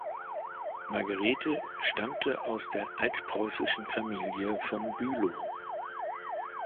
Margarethe stammte aus der altpreußischen Familie von Bülow.